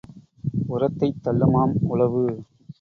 உரத்தைத் தள்ளுமாம் உழவு.